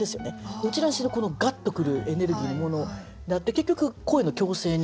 どちらにしろガッと来るエネルギーのものであって結局声の「嬌声」に。